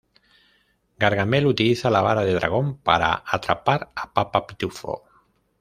Gargamel utiliza la vara de dragón para atrapar a Papá Pitufo.